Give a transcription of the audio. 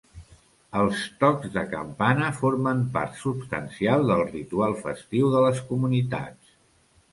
Els tocs de campana formen part substancial del ritual festiu de les comunitats.